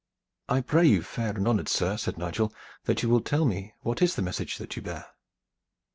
"I pray you, fair and honored sir," said Nigel, "that you will tell me what is the message that you bear."